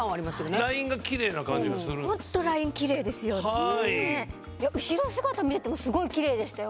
いや後ろ姿見ててもすごい奇麗でしたよ。